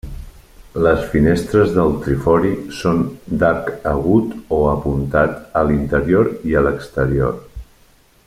Les finestres del trifori són d'arc agut o apuntat a l'interior i a l'exterior.